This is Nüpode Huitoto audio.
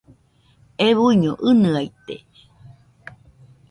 Euiño ɨnɨaite.